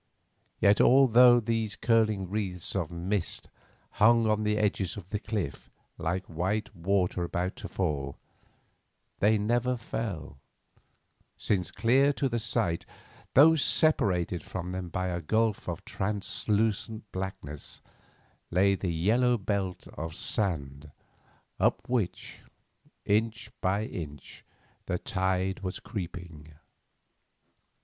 Yet although these curling wreaths of mist hung on the edges of the cliff like white water about to fall, they never fell, since clear to the sight, though separated from them by a gulf of translucent blackness, lay the yellow belt of sand up which, inch by inch, the tide was creeping.